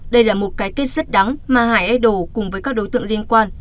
đây là một cái kết sất đắng mà hải idol cùng với các đối tượng liên quan